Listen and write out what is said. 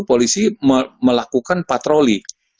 polisi melakukan patroli